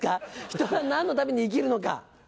「人は何のために生きるのか」。